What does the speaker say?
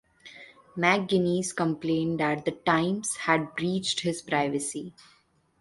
McGuinness complained that the "Times" had breached his privacy.